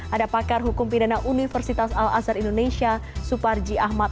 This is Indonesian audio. ada pakar hukum pidana universitas al azhar indonesia suparji ahmad